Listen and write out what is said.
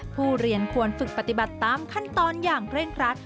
ผู้เรียนควรฝึกปฏิบัติตามขั้นตอนอย่างเคร่งครัด